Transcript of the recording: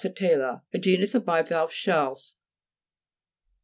CRASSATE'LLA A genus of bivalve shells.